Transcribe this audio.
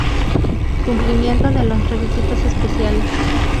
Cumplimiento de los requisitos especiales.